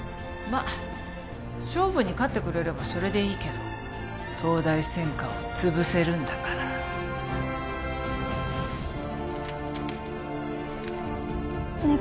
あ勝負に勝ってくれればそれでいいけど東大専科を潰せるんだからねえ